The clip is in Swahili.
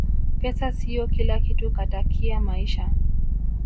pesa siyo kila kitu katakia maisha